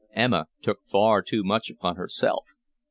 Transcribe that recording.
Emma took far too much upon herself.